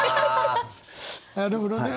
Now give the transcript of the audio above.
なるほどね。